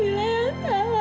ini kendak allah